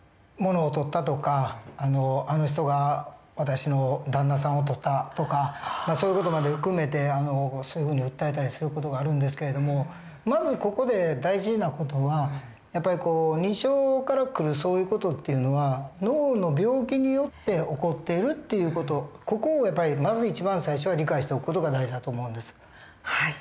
物をとったとかあの人が私の旦那さんをとったとかそういう事まで含めてそういうふうに訴えたりする事があるんですけれどもまずここで大事な事はやっぱり日常から来るそういう事っていうのは脳の病気によって起こっているという事ここをやっぱりまず一番最初は理解しておく事が大事だと思うんです。